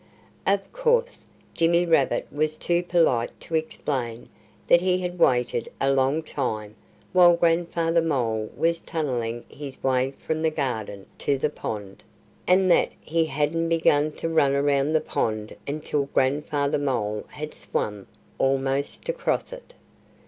Of course Jimmy Rabbit was too polite to explain that he had waited a long time while Grandfather Mole was tunnelling his way from the garden to the pond, and that he hadn't begun to run around the pond until Grandfather Mole had swum almost across it.